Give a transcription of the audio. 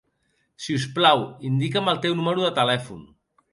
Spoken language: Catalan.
Si us plau, indica'm el teu número de telèfon.